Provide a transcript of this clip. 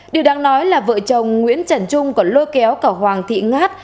điều đáng nói là vợ chồng nguyễn trần trung còn lôi kéo cả hoàng thị ngát